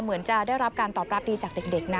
เหมือนจะได้รับการตอบรับดีจากเด็กนะ